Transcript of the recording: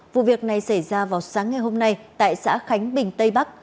vụ việc này xảy ra vào sáng ngày hôm nay tại xã khánh bình tây bắc